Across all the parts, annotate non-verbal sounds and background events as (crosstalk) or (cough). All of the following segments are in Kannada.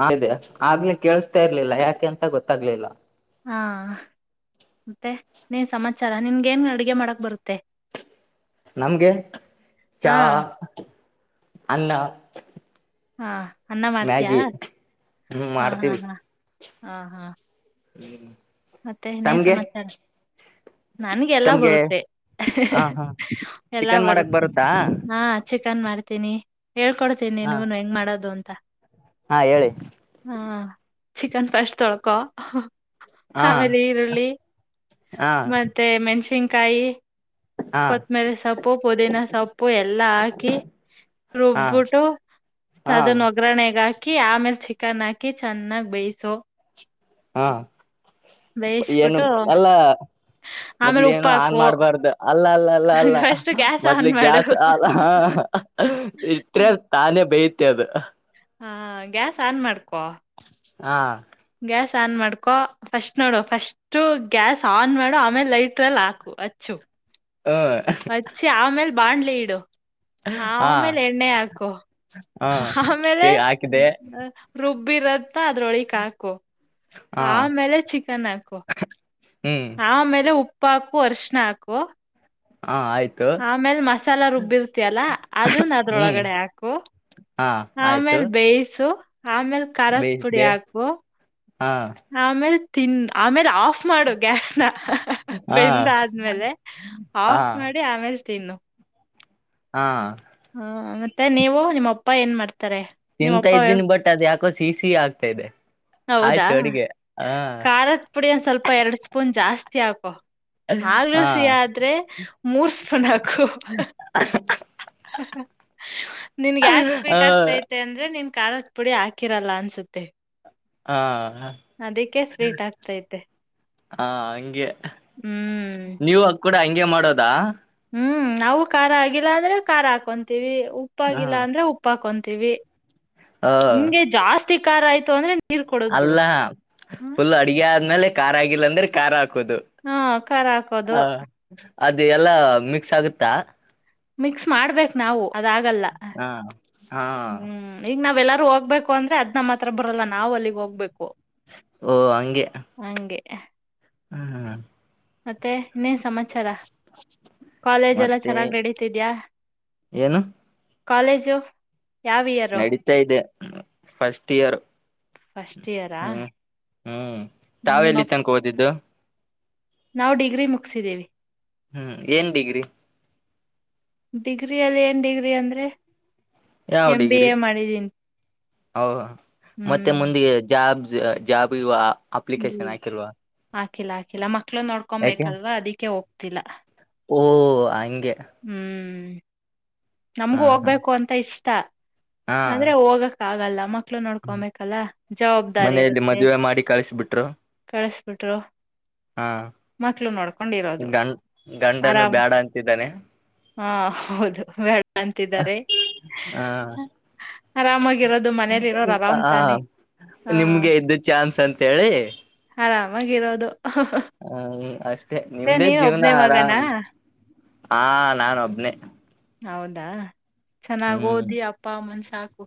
ಹೌದೆ ಆಗ್ಲೇ ಕೇಳಸ್ತಾ ಇರ್ಲಿಲ್ಲ ಯಾಕೆ ಅಂತ ಗೊತ್ತಾಗ್ಲಿಲ್ಲ ಹಾ ಮತ್ತೆ ನೀನ್ ಸಮಾಚಾರ ನಿನ್ಗ ನು ಅಡುಗೆ ಮಾಡಕ್ ಬರುತ್ತೆ ನಮ್ಗೆ ಹಾ ಚಾ ಅಲ್ಲ ಹಾ ಅನ್ನ ಮಾಡ್ತಯ ಹ್ಮ್ ಹಾ ಹಾ ಹಾ ಹಾ ಹಾ ಹ ಮತ್ತೆ ಎಣ್ಣೇ ಸಮಾಚಾರ ನನ್ಗೆ ಎಲ್ಲಾ ತಮ್ಗೆ ಬರುತ್ತೆ ಹ ಎಲ್ಲಾ ಚಿಕನ್ ಮಾಡಕ್ ಬರುತ್ತೆ ಬರುತ್ತಾ ಹಾ ಚಿ ಕನ್ ಮಾಡ್ತೀನಿ ಹೇಳ್ಕೊಡ್ತೀನಿ ಹ ನೀಗನು ಹೆಂಗ ಮಾಡೋದು ಅಂತ ಹಾ ಹೇಳಿ ಹಾ ಚಿಕನ್ ಫಸ್ಟ್ ತೊಳಕೊ ಹಾ ಅವಮೇಲೆ ಈರುಳ್ಳಿ ಹಾ ಮತ್ತೆ ಮೆಣಸಿನ್ ಕಾಯಿ ಹಾ ಕೊತ್ತಮರಿ ಸೊಪ್ಪು ಪುದೀನ ಸೊಪ್ಪು ಎಲ್ಲಾ ಹಾಕಿ ಹಾ ರುಬ್ಬಿಟ್ಟು ಹಾ ಅದನ್ನ ಒಗ್ಗರಣೆೆಗೆ ಹಾಕಿ ಆಮೇಲೆ ಚಿಕ್ಕ ಕಣಕ ಚೆನ್ನಾಗ ಬೇಯಸೋ ಹಾ ಏನು ಬೇಯಿಸಬಿಟ್ಟು ಅಲ್ಲ ಮೊದ್ಲ ಆಮೇಲೆ ಉಪ್ಪ ಏನು ಆನ್ ಹಾಕು ಮಾಡ್ಬಾರ್ದ ಅಲ್ಲ ಅಲ್ಲ ಅಲ್ಲ ಅಲ್ಲ ಫಸ್ಟ್ ಗ್ಯಾಸ್ ಆನ್ ಮೊದ್ಲು ಮಾಡು ಗ್ಯಾಸ್ ಅಲ್ಲ ಇಟ್ರೆ ತಾನೇ ಬಯತ್ ತ್ಯದ ಹಾ ಗ್ಯಾಸ್ ಆನ್ ಮಾಡ್ತ ಹಾ ಗ್ಯಾಸ್ ಆನ್ ಮಾಡ್ಕೊ ಫಸ್ಟ್ ನೋಡೋ ಫಸ್ಟ್ ಗ್ಯಾಸ್ ಆನ್ ಮಾಡೋ ಆಮೇಲೆ ಲೈಟ್ರಲ್ಲಿ ಹಾಕು ಹಚ್ಚು ಹ ಬಾನ್ಲಿ ಇಡು ಆಮೇಲೆ ಎಣ್ಣೆ ಹಾಕು ಹಾ ಆಮೇಲೆ ಹೇ ಹಾಕಿದೆ ರುಬ್ಬ ಬ ಬಿರತ್ತ ಅದ್ರೊಳಿಕೆ ಹಾಕು ಹಾ ಆಮೇಲೆ ಚಿಕನ್ ಹಾಕು ಹ್ಮ್ ಹ ಆಮೇಲೆ ಉ ಉಪ್ಪ ಹಾಕು ಅರ್ಶಣ ಹಾಕುವ ಹಾ ಆಯ್ತು ಆಮೇಲ್ ಮಸಾಲಾ ರುಬ್ಬಿರ್ತಿಯಲ್ಲ ಅದನ್ ಹ್ಮ್ ಅದ್ರೊಳಗಡೆ ಹಾಕು ಹಾ ಆಯ್ತು ಆಮೇಲ್ ಬೇಯ್ಸು ಆಮೇಲ್ ಖಾರದ ಪುಡಿ ಬೇಯಿಸ್ದೆ ಹಾಕು ಹಾ ಆಮೇಲೆ ತಿನ್ ಆಮೇಲೆ ಆಫ್ ಮಾಡಕ್ ಹಾ ಬೆಂದಾದ್ಮೇಲೆ ಹಾ ಆಫ್ ಮಾಡಿ ಆಮೇಲೆ ತಿನ್ನು ಹಾ ಹಾ ಮತ್ತೆ ನೀವು ನಿಮ್ಮ ಅಪ್ಪ ಏನ್ ಮಾಡ್ತೀ ತಿಂತಾ ಇದ್ದೀನಿ ಬಟ್ ಅದ ಯಾಕ ಸಿ ಸಿ ಆಗ್ತಾ ಇದೆ ಹೌದಾ ಆಯ್ತು ಅಡಿಗೆ ಹಾ ಖಾರದ ಪುಡಿಂದ ಸ್ವಲ್ಪ ಎರಡು ಸ್ಪೂನ್ ಜಾಸ್ತಿ ಕ ಆಗ್ಲೂ ಹಾ ಸಿಹಾ ಆದ್ರೆ ಮೂರ್ಸ್ಪಣಕು ನಿನ್ಗ ಯಾಕೆ ಆ ಸ್ವೀಟ್ ಆಗ್ತೈತೆ ಅಂದ್ರೆ ನಿನ್ ಖಾರದ ಪುಡಿ ಹಾಕಿರಲ್ಲ ಅನ್ಸುತ್ತೆ ಹಾ ಹ ಅದಕ್ಕೆ ಸ್ವೀಟ್ ಆಗ್ತೈತೆ. ಹಾ ಹಂಗೆ ಹ್ಮ್. ನೀವು ಕೂಡ ಹಂಗೆ ಮಾಡೋದಾ ಹ್ಮ್ ನಾವು ಖಾರ ಆಗಿಲ್ಲ ಅಂದ್ರೆ ಖಾರ ಹಾಕೊಂತೀವಿ ಹ ಉಪ್ಪಗಲ್ಲ ಅಂದ್ರೆ ಉಪ್ಪಾಕಂತ ತವಿ ಹ ನಿಂಗೆ ಜಾಸ್ತಿ ಜಾಸ್ತಿ ಕಾರ ಆಯತು ಅಂದ್ರೆ ನೀರ್ ಕೊಡದ್ ಬಿಡು ಅಲ್ಲ ಹ್ಮ ಫುಲ್ ಅಡ್ಗೆ ಆದ್ಮೇಲೆ ಕಾರ್ ಆಗಿಲ್ಲ ಅಂದ್ರೆ ಕಾರ್ ಆ ಹಾ ಖಾರ ಹಾಕೋದು ಅದು ಎಲ್ಲಾ ಮಿಕ್ಸ್ ಆಗುತ್ತಾ ಮಿಕ್ಸ್ ಮಾಡ್ಬೇಕು ನಾವು ಅದಾಗಲ್ಲ ಹ ಹಾ ಹ್ಮ್ ಈಗ್ ನಾವ್ ಅವೆಲ್ಲರೂ ಹೋಗ್ಬೇಕು ಅಂದ್ರೆ ಅದ ನಮ್ಮ ಹತ್ರ ಬರಲ್ಲ ನಾವ್ ಅಲ್ಲಿಗ್ ಹೋಗ್ಬೇಕು ಓ ಹಂಗೆ ಹ ಹ್ಮ್ ಮತ್ತೆ ಇನ್ನೇ ಸಮಾಚಾರ ಕಾಲೇಜ ಎಲ್ಲ ಮತ್ತೆ ಚೆನ್ನಾಗಿ ನಡತಿದ್ಯಾ ಏನು ಕಾಲೇಜು ಯಾವ ಇಯರು ನಡೀತಾ ಇದೆ ಫಸ್ಟ್ ಇಯರ್ ಫಸ್ಟ್ ಇಯರಾ ಹ್ಮ ಹ್ಮ್ ತಾವ ಎಲ್ಲಿ ನಿಮ್ಮ ತನಕ ಹಓದಿದ್ದು ನಾವು ಡಿಗ್ರಿ ಮುಗಿಸಿದ್ದೇವಿ ಹ್ಮ್ ಏನ್ ಡಿಗ್ರಿ ಡಿಗ್ರಿಿಯಲ್ಲಿ ಏನ್ ಡಿಗ್ರಿ ಅಂದ್ರೆ ಎ ಬಿಿ ಎ ಮಾಡಿದೀನ್ಿ ಹೌ ಮತ್ತೆ ಮುಂದಿಗೆ ಜಾಬ್ ಜಾಪ ಅಪ್ಲಿಕೇಶನ್ ಆಯಕಲ್ವಾ ಕಿಾಖಲ ಮ ಮಕ್ಕಳ ನೋಡ್ಕೊಬೇಕಲ್ ಅದಕ್ಕೆ ಹೋಗ ಇಲ್ಲ ಓ ಆಯ ಹ್ಮ್ ಹ್ಮ್ ಹಾ ನಮ್ಗು ಹಾ ಹೋಗ್ಬೇಕು ಅಂತ ಇಷ್ಟ ಹಾ ುತ್ತ ಅಂದ್ರೆ ಹೋಗಕ್ ಆಗಲ್ಲ ಮಕ್ಕ ಮಕ್ಲ ನೋಡ್ಕೊಬೇಕಲ್ಲಾ ಮನೆಯಲ್ಲಿ ಮದುವೆ ಮಾಡಿ ಕಳಸಬಿಟ್ರು ಕಳಸ್ಬಿಟ್ರು ಹಾ ಮಕ್ಳು ನೋಡ್ಕೊಂಡಿರೋದು ಗಂಡ್ ಗಂಡನು ಆರಾಮ್ ಬೇಡ ಅಂತಿದ್ದಾನೆ ಹಾ ಹೌದು ಬೇಡ ಅಂತಿದ್ದಾರೆ ಹ ಆರಾಮಾಗಿರೋದು ಮನೇಲಿ ಇರೋರು ಆರಾಮ್ ಹ ತಾನೆ ಹಾ ನಿಮ್ಗೆ ಇದದ್ದು ಚಾನ್ಸ್ ಅಂತೇಳಿ ಆರಾಮಾಗಿರೋದು ಹ್ಮ ಅಷ್ಟೇ ಮತ್ತೆ ನಿಮ್ದೇ ನೀನ್ ಜೀವನ ಒಬ್ನೇ ಆರಾಮ ಮಗನಾ ಹ ನಾಾನು ಒಬ್ನೇ ಹೌದಾ ಚೆನ್ನಾಗ್ ಓದಿ ಅಪ್ಪಮ್ಮನ ಸಾಕು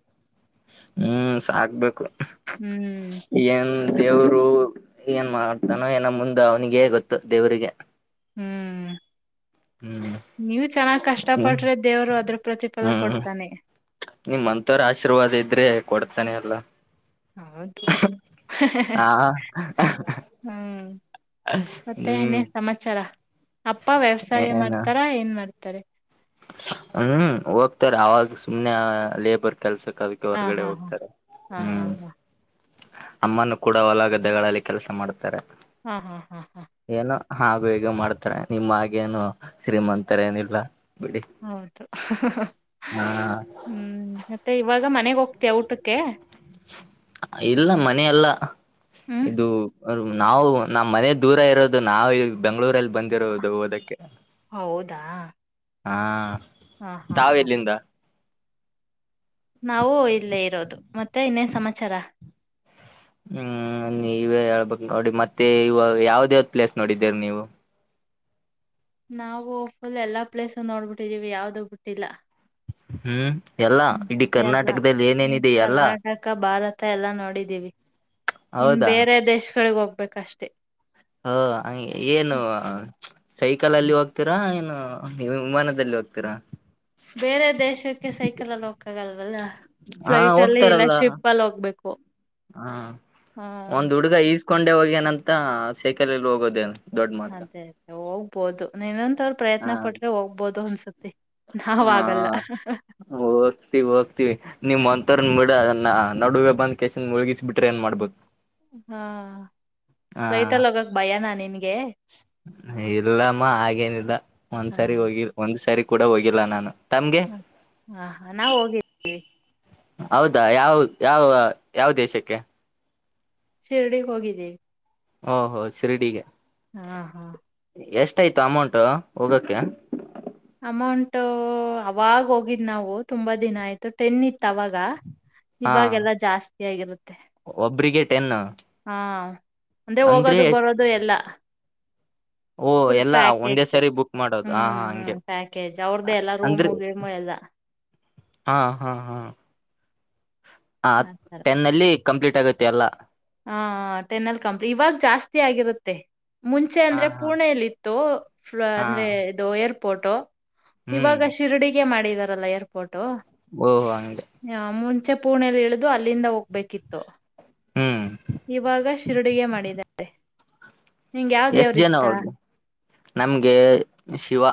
ಹ್ಮ ಸಾಕ್ಬೇಕು ಹ್ಮ್ ಏನ್ ದೇವ್ರು ಏನ್ ಮಾಡ್ತಾನೋ ಏನ ಮುಂದೆ ಅವ್ನಿಿಗೆೇ ಗೊತ್ತು ದೇವ್ರಿಗೆ ಹ್ಮ್ ಹ್ಮ್ ನೀವು ಚೆನ್ನಾಗ್ ಹ್ಮ್ ಕಷ್ಟಪಟ್ರೆ ದೇವರು ಅದ್ರ ಪ್ರತಿಫಲ ಕೊಡ್ತಾನೆ ನಿಮ್ ಅಂತವ್ರ ಆಶೀರ್ವಾದ ಇದ್ರೆ ಕೊಡ್ತಾನೆ ಎಲ್ಲ ಹೌದು ಹಾ ಹ್ಮ್ ಮತ್ತೆ ಹ್ಮ್ ಇನ್ನೇ ಸಮಾಚಾರ ಅಪ್ಪ ವ್ಯವಸಾಯ ಏನ ಮಾಡ್ತಾರಾ ಏನ್ ಮಾಡ್ತಾರ ತಾರೆ ಹ್ಮ್ ಹೋಗ್ತಾರೆ ಅವಾಗ ಸುಮ್ನೆ ಲೇಬರ್ ಕೆಲ್ಸಕ್ಕ ಅದಕ್ಕೆ ಹಾ ಹೊರ್ಗಡೆ ಹಾ ಹೋಗ್ತಾರೆ ಹಾ ಹಾ ಹ್ಮ್ ಹಾ ಅಮ್ಮನು ಕೂಡ ಹೊಲ ಗದ್ದೆಗಳಲ್ಲಿ ಕೆಲಸ ಮಾಡ್ತಾರೆ ಹಾ ಹಾ ಹಾ ಹಾ ಏನೋ ಹಾಗು ಹೇಗ ಮಾಡ್ತಾರೆ ನಿಮ್ಮ್ಗೇನು ಶ್ರೀಮಂತರ ಏನಿಲ್ಲ ಹೌದು ಹಾ ಹ್ಮ್ ಮತ್ತೆ ಇವಾಗ ಮನೆಗ್ ಹೋಗ್ತೀ ಊಟಕ್ಕೆ ಓಕೆ ಇಲ್ಲ ಮನೆಲ್ಲ ಹ್ಮ್ ಇದು ಅವ ನಾವು ನಮ್ಮ್ ಮನೆ ದೂರ ಇರೋದು ನಾವವು ಈ ಬೆಂಗ್ಗಳೂರಲ್ಲಿ ಬಂದಿರೋದು ಓದಕ್ಕೆ ಹೌದಾ ಹಾ ಹಾ ಹಾ ತಾವ ಹಾ ಎಲ್ಲಿಂದ ನಾವೂ ಇಲ್ಲೇ ಇರೋದು ಮತ್ತೆ ಇನ್ನೇನ್ ಸಮಾಚಾರ ಹ್ಮ್ ನೀ ಇವೇ ಹೇಳ್ಬಕ್ ನೋಡಿ ಮತ್ತೆ ಇವಾಗ ಯಾವ್ದ ಯಾವ್ದ್ ಪ್ಲೇಸ್ ನೋಡಿದ್ದೀರಿ ನೀವು ನಾವು ಫುಲ್ ಎಲ್ಲಾ ಪ್ಲೇಸ್ ನೋಡ್ಬಿಟ್ಟಿದ್ದೀವಿ ಯಾವ್ದು ಬಿಟ್ಟಿಲ್ಲ ಹ್ಮ್ ಎಲ್ಲಾ ಇಡೀ ಹ್ಮ್ ಎಲ್ಲ ಕರ್ನಾಟಕದಲ್ಲಿ ಏನೇನಿದೆ ಎಲ್ಲಾ ಕರ್ನಾಟಕ ಭಾರತ ಎಲ್ಲಾ ನೋಡಿದ್ದೀವಿ ಇನ್ ಹೌದಾ ಬೇರೆದೇ ಕೆಳಗ ಹೋಗ್ಬೇಕಷ್ಟೇ ಹ ಏನು ಸೈಕಲ್ ಅಲ್ಲಿ ಹೋಗ್ತೀರಾ ಏನು ನೀವ್ ವಿಮಾನದಲ್ಲಿ ಹೋಗ್ತೀರಾ ಬೇರೆ ದೇಶಕ್ಕೆ ಸೈಕಲ್ಲ್ಲ ಹಕ್ಕ ಆಗಲ್ಲ ಅಲ್ಲ ಫ್ಲೈಟ್ ಅಲ್ಲಿೇ ಇಲ್ಲ ಹೋಗ್ತಾರಲ್ಲ ಶಿಪ್ ಅಲ್ಲಿ ಹೋಗ್ಬೇಕು ಹಾ ಹ ಒಂದ್ ಹುಡುಗ. ಈಸ್ ಹಕೊಂಡೆ ಹೋಗ್ಯಾನಂತ. ಸೈಕಲ್ ಅಲ್ಲಿ ಹೋಗೋದೇನು, ಅದೇ ಅದೇ ಹೋಗ್ಬೋದು, ನೀನ ಹಾ ಹ ನಾವ್ ಆಗಲ್ಲ ಹೋಗ್ತಿವಿ, ಹೋಗ್ತಿವಿ ನಿ. ಮ್ಮ ಒಂತರನ್ ಬಿಡ ಅದ ನಾ ನಡುವೆ ಬಂದ್ ಕೇಸಿಂದ್ ಮುಣುಗಿಸಿ ಬಿಟ್ರೆ ಏನ್ ಮಾಡ್ಬೇಕ. ಹಾ ಹಾ ಫ್ಲೈಟ್ ಅಲ್ಲಿ ಹೋಗಕ್ ಭಯನಾ ನಿನ್ಗೆ ಇಲ್ಲಮ್ಮ ಹಾಗೇನಿಲ್ಲ. ಹ ಒಂದ್ಸರಿ ಹೋಗಿವಿ. ಒನ್ ಒಂದ್ಸರಿ ಕೂಡ ಹೋಗಿಲ್ಲ ನಾನು. ತಮ್ಗೆ ಹ ಹಾ ನಾವವು ಹೋಗಿದೀವಿ. ಹೌದಾ ಯಾವ ಯಾವ ಯಾವ ದೇಶಕ್ಕೆ. ಶಿರ್ಡಿ ಹೋಗಿದೀವಿ. ಓಹೋ ಶಿರ್ಡಿಗೆ, ಹಾ, ಹಾ ಎಷ್ಟಯ್ತು. ಅಮೌಂಟ್ ಹೋಗಕ್ಕೆ, ಅಮೌಂಟ ಅವಾಗ ಹೋಗಿದ್ ನಾವು ತುಂಬಾ ದಿನ ಆಯ್ತು. ಟೆನ್ ಇತ್ತು ಅವಾಗ, ಹಾ ಇವಾಗೆಲ್ಲ ಜಾಸ್ತಿ ಆಗಿರುತ್ತೆ. ಒಬ್ರಿಗೆ ಟೆನ್ ಹಾ, ಅಂದ್ರೆ ಹೋಗೋದು ಬರೋದು ಎಲ್ಲ. ಓ ಫುಲ್ ಎಲ್ಲಾ ಒಂದೇ ಪ್ಯಾಕೇಜ್ ಸರಿ ಬುಕ್ ಮಾಡೋದು ಹ್ಮ್ ಹಾ ಹಾ ಹಂಗೆ ಹ್ಮ್ ಪ್ಯಾಕೇಜ್ ಅವ್ರ್ದೇ ಎಲ್ಲ ಅಂದ್ರೆ ರೂಮು ಗೀಮು ಎಲ್ಲ. ಹಾ, ಹಾ, ಹಾ ಹ ಟೆನಲ್ಲಿ ಕಂಪ್ಲೀಟ್ ಆಗುತ್ತೆ ಎಲ್ಲ. ಹಾ ಟೆನಲ್ ಕಂಪ್ನಿ ಇವಾಗ ಜಾಸ್ತಿ ಆಗಿರುತ್ತೆ. ಮುಂಚೆ ಹಾ ಅಂದ್ರೆ ಹಾ ಪುಣೆಯಲ್ಲಿ ಇತ್ತು. ಹಾ ಅಂದ್ರೆ ಇದು ಏರ್ ಪೋಟೋ, ಹ್ಮ್ ಇವಾಗ ಶಿರ್ಡಿಗೆ ಮಾಡ ಎಲ್ಲ ರ್ಪೋಟ್ ಟು ಹ ಓಹ ಹಂಗೆ ಮು ಮುಂಚೆ ಪೂರ್ಣೆಯಲ್ಲಿ ಇಳಿದು ಅಲ್ಲಿಂದ ಹೋಗ್ಬೇಕಿತ್ತು. ಹ್ಮ್ ಇವಾಗ ಶಿರಡಿಗೆ ಮಾಡಿದ್ದಾರೆ. ಎಷ್ಟ ಜನ ಅವದು ನಮ್ಗೆ ಶಿವ,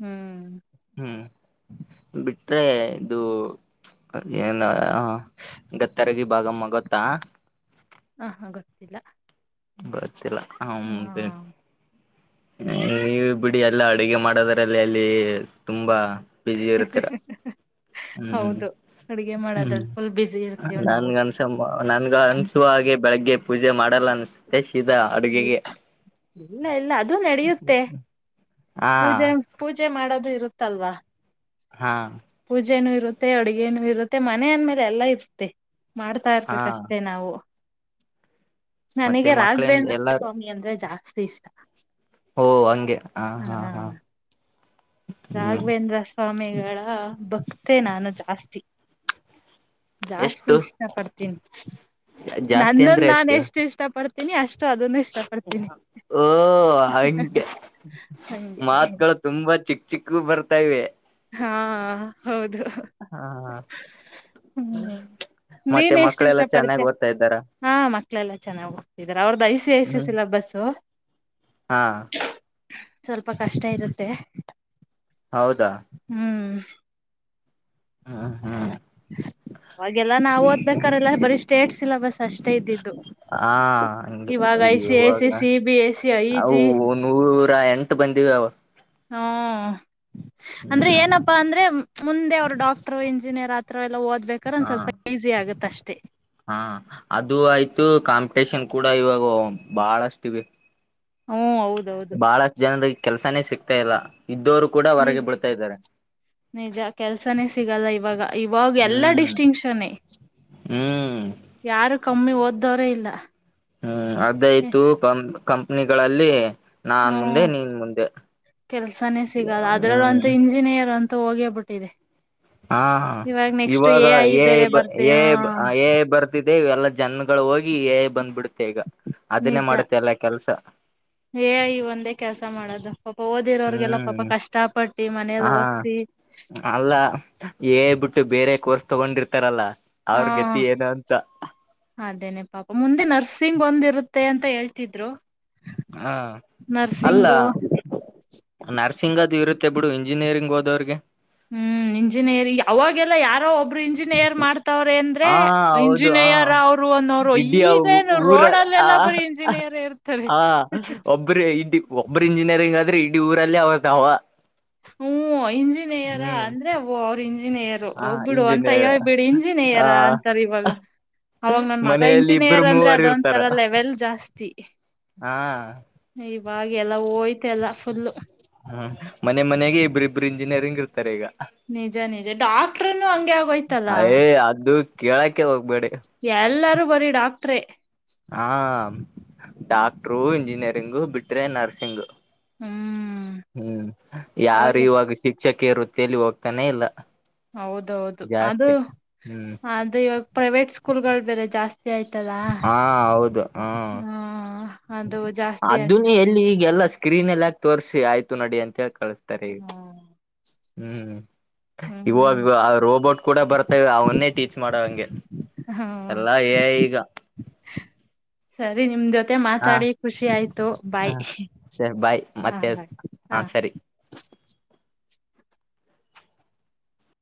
ಹ್ಮ್. ಹ್ಮ್ ಬಿಟ್ರೆ ಇದು ಏನು ಗತ್ತರಗಿ ಭಾಗಮ್ಮ. ಗೊತ್ತಾ, ಹಾ, ಹಾ ಗೊತ್ತಿಲ್ಲ. (unintelligible) ಗೊತ್ತಿಲ್ಲ ಹಾ ಹ್ಮ್. ಹ ನೀವ ಬಿಡಿ ಎಲ್ಲಾ ಅಡುಗೆ ಮಾಡೋದರಲ್ಲಿ ಅಲ್ಲಿ ತುಂಬಾ ಬಜಿಯೂರುತ್ತರ ಹೌದು ಅಡುಗೆ ಮಾಡೋದ್ರಲ್ಲಿ ಫುಲ್ ಬಿಸಿ ಇರ್ತೇವ ನಾವು ನನ್ಗೆ ಅನ್ಸುವ ಹಾಗೆ ಬೆಳಗ್ಗೆ ಪೂಜೆ ಮಾಡಲ್ಲ ಅನ್ಸುತ್ತೆ ಸೀದಾ ಅಡುಗೆಗೆ ಇಲ್ಲ ಇಲ್ಲ ಅದು ನಡೆಯುತ್ತೆ ಹಾ ಪೂಜೆ ಪೂಜೆ ಮಾಡದು ಇರುತ್ತಲ್ವಾ ಹಾ ಪೂಜೆನು ಇರುತ್ತೆ ಅಡುಗೆನು ಇರುತ್ತೆ ಮನೆ ಅಂದ್ಮೇಲೆ ಎಲ್ಲ ಇರುತ್ತೆ ಮಾಡ್ತಾ ಹಾ ಇರ್ಬೇಕ ಅಷ್ಟೇ ನಾವು ಮತ್ತೆ ನನಗೆ ಮಕ್ಳಿಂದ ರಾಘವೇಂದ್ರ ಎಲ್ಲಾರು ಸ್ವಾಮಿ ಅಂದ್ರೆ ಜಾಸ್ ಇಷಕ್ ಓ ಹಂಗೆ ಹಾ ಹಾ ಹಾ ಹ್ಮ್ ರಾಘವೇಂದ್ರ ಸ್ವಾಮಿ ಗಳ ಭಕ್ತೆ ನಾನು ಜಾಸ್ತಿ ಜಾಸ್ತಿ ಎಷ್ಟು ಇಷ್ಟ ಪಡ್ತೀನಿ ಜಾಸ್ತಿ ನನ್ನ ಅಂದ್ರೆ ನಾ ಎಷ್ಟು ಇಷ್ಟ ಪಡ್ತ ತಿನಿ ಅಷ್ಟು ಅದನ್ನು ಇಷ್ಟ ಪಡ್ತೀನಿ ಓ ಹಂಕ ಹಂಗೆ ಮಾತ್ುಗಳು ತುಂಬಾ ಚಿಕ್ ಚಿಕ್ಕ ಬರ್ತಾ ಇವೆ ಹಾ ಹೌದು ಹಾ ಹ್ಮ ಮತ್ತೆ ನೀನ್ ಎಷ್ಟು ಇಷ್ಟ ಮಕ್ಕಳೆಲ್ಲಾ ಚೆನ್ನಾಗ್ ಪಡ್ತ ಓದ್ತಾ ಇದ್ದಾರ ಹಾ ಮತ್ತ ಕ್ಕೆಲ ಚನ್ನಾಗುವ ಇದ್ರ ಅವ್ರ್ದ ಐ ಸಿ ಐ ಸಿ ಹ್ಮ್ ಸಿಲೆಬಸ್ಸು ಹಾ ಸ್ವಲ್ಪ ಕಷ್ಟ ಇರುತ್ತೆ ಹೌದಾ (inaudible) ಹ್ಮ್ ಹ್ಮ್ ಅವಾಗೆಲ್ಲ ನಾವು ಓದ್ಬೇಕಾರೆಲ್ಲ ಬರಿ ಸ್ಟೇಟ್ ಸಿಲೆಬಸ್ ಅಷ್ಟೇ ಇದ್ದಿದ್ದು ಹಾ ಹಂಗೆ ಇವಾಗ ಐ ಸಿ ಐ ಇವಾಗ C C B S C I ಅವು ಜಿ ನೂರ ಎಂಟು ಬಂದಿವ ಹ್ಮ ಅಂದ್ರೆ ಹ್ಮ್ ಏನಪ್ಪಾ ಅಂದ್ರೆ ಮುಂದೆ ಅವರುಡಕ್ಟರ್ ಇಂಜಿನಿಯರ್ ಆತ್ರ ಎಲ್ಲಾಓದ ಬೇಕಾದ್ರ ಒಂದು ಹಾ ಸ್ವಲ್ಪ ಈಸಿ ಆಗುತ್ತ ಅಷ್ಟೆ ತ್ತೆ ಹಾ ಅದು ಆಯ್ತು ಕಾಂಪಿಟೇಷನ್ ಕೂಡ ಇವಾಗ ಬಹಳಷ್ಟಿವ ಇವೆ ಹ್ಮ್ ಹೌದೌದು ಬಹಳಷ್ಟು ಜನರಿಗ ಕೆಲಸನೇ ಸಿಗ್ತಾ ಇಲ್ಲ ಇದ್ದೋರು ಕೂಡ ನಿಜ ಹೊರಗೆ ಬೀಳ್ತಾ ಇದ್ದಾರೆ ನಿಜ ಕೆಲ್ಸನೇ ಸಿಗಲ್ಲ ಇವಾಗ ಇವಾಗ ಎಲ್ಲಾ ಹ್ಮ್ ಡಿಸ್ಟಿಂಕ್ಷನ್ ಹ್ಮ್ ಯಾರ ಕಮ್ಮಿ ಓದ್ದವ್ರೇ ಇಲ್ಲ ಹ್ಮ್ ಅದಯ್ತು ಕ ಕಂಪನಿಗಳಲ್ಲಿ ಹ್ಮ ಕೆಲ್ಸಾನೇ ಸಿಗದು ಅದ್ರಲ್ಲ ಅಂತೂ ಹ್ಮ್ ಇಂಜಿನಿಯರ್ ಅಂತೂ ಹೋಗಿ ೋಗಬಿಟ್ಟಿದೆ ಹಾ ಇವಾಗ ಐ ಬೇರೆ ಬರ್ತ ಏ ಬರ್ತ ೇವ್ ಎಲ್ಲಾ ಜನ್ಗಳು ಹೋಗಿ ಬಂದ್ಬಿಡುತ್ತೆ ಈಗ ಅದನ್ನೇ ನಿಜ ಮಾಡುತ್ತೆ ಎಲ್ಲ ಕೆಲ್ಸ ಏ ಈ ಒಂದೇ ಕೆಲ್ಸ ಮಾಡದು ಓದಿರೋರ್ಗೆಲ್ಲ ಪಾಪ ಹ್ಮ್ ಕಷ್ಟ ಪಟ್ಟಿ ಹ ಮನೇಲ್ ಓದ್ಸಿ ಅು ಬೇರೆ ಕೋರ್ಸ್ ತಗೊಂಡಿರ್ತಾರಲ್ಲಾ ಹಾ ಅದೇನೆ ಪಾಪ ಮುಂದೆ ನರ್ಸಿಂಗ್ ಒಂದಿರುತ್ತೆ ಮೆ ಅಂತ ಹೇಳ್ತಿದ್ರು ಹಾ ಅಲ್ಲ ನರ್ಸಿಂಗು ನರ್ಸಿಂಗ್ ಅದು ಇರುತ್ತೆ ಬಿಡು ಇಂಜಿನಿಯರಿಂಗ್ ಅದು ಅವ್ರರಿಗೆ ಹ್ಮ್ ಇಂಜಿನಿಯರಿ್ ಅವಾಗೆಲ್ಲ ಯಾರೋ ಒಬ್ಬ ರು ಇಂಜಿನಿಯರ್ ಮಾಡ್ತಾವ್ರ ಅಂದ್ರೆ ಹ ಹೌದು ಹ ಇಂಜಿನಿಯರ್ ಅವರು ಅನ್ನೋರು ಇಡೀ ಈಗ ಏನು ಊರ ರೋಡ್ಲ್ಲೆಲ್ಲಾ ಆ ಬರಿೀ ಇಂಜಿನಿಯರ್ ಇರ್ತಾರೆ ಒಬ್ರು ಇಂಜಿನಿಯರಿಂಗ್ ಆದ್ರೆ ಇಡೀ ಊರಲ್ಲಿ ಅವತ್ ಅವ ಹ್ಮ ಇಂಜಿನಿಯರ ಅಂದ್ರೆ ಅವ್ರ ಇಂಜಿನ ಇಂಜಿನಿಯರ್ ಹ ಹೋಗ್ ಬಿಿಡು ಅಂತ ಇಂಜಿನಿಯರ್ ಅಯ್ಯಬಡು ಆ ಇಂಜಿನಿಯರ ಅಂತಾರ ಇವಾಗ ಅವಾಗ ನನ್ ಮಗ ಮನೆಯಲ್ಲಿ ಇಬ್ಬರು ಇಂಜಿನಿಯರ್ ಅಂದ್ರೆ ಮೂವರು ಇರ್ತಾರ ಅದೊಂತರ ಲೆವೆಲ್ ಜಾಸ್ತಿ ಹಾ ಇವಾಗ ಎಲ್ಲ ಹೋಯ್ತ ಎಲ್ಲಾ ಫುಲ್ ಹ್ಮ ಮನೆ ಮನೆಗೆ ಇಬ್ಬ ಇಬ್ರು ಇಂಜಿಯರಿಂಗ ಇತಾರೆ ಈಗ ನಿಜ ನಿಜ ಡಾಕ್ಟ್ರನು ಹಂಗೆ ಆಗೋಯ್ತಲ್ಲ ಕೇಳಾಕ್ಕೆ ಹೋಗ್ಬೇಡಿ ಎಲ್ಲಾರೂ ಬರೀ ಡಾಕ್ಟ್ರೆ ಹಾ ಡಾಕ್ಟರು ಇಂಜಿನಿಯರಿಂಗು ಬಿಟ್ರೆ ನರ್ಸಿಂಗ್ ಹ್ಮ್ ಹ್ಮ್ ಯಾರು ಅವಾಗ ಇವಾಗ ಸಿ ಚ್ಚಕ ವೃತ್ತಿಯಲ್ಲಿ ಹೋಗ್ತಾನೆ ಇಲ್ಲ ಹೌದೌದು ಅದು ಜಾಸ್ತಿ ಹ್ಮ್ ಅದು ಇವಾಗ ಪ್ರೈವೇಟ್ ಸ್ಕೂಲ್ ಗಳ ಬೆಲೆ ಜಾಸ್ತಿ ಆಯ್ತದಾ ಹಾ ಹಾ ಅದುನ ಎಲ್ಲಿ ಈಗೆಲ್ಲಾ ಸ್ಕ್ರೀನ್ ಎಲ್ಲ ಆಕ್ ತರ್ ಆಯ್ತು ನಡಿ ಅಂತ ಕಳಸ್ತಾರೆ ಹ್ಮ್ ಹ್ಮ್ ಹ್ಮ್ ಇವಾಗ ರೋಬೋಟ್ ಕೂಡ ಬರ್ತವೆ ಅವನ್ನೇ ಟೀಚ್ ಮಾಡಂಗೆ ಹ್ಮ್ ಎಲ್ಲ ಈಗ ಸರಿ ನಿಮ್ ಮತ್ತೆ ಹಾ ಮಾತಾಡಿ ಖುಷಿ ಆಯ್ತು ಹ ಬಾಯ್ ಸರಿ ಬಾಯ್ ಹಾ ಮತ್ತೆ ಬಾಯ್ ಹ ಹಾ ಹ ಸರಿ